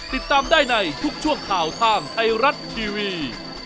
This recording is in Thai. ติดตามได้ในทุกช่วงข่าวทางไทยรัฐทีวี